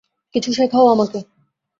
কিছু শেখাও আমাকে।